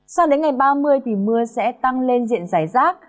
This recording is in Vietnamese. sang đến ngày ba mươi thì mưa sẽ tăng lên diện giải rác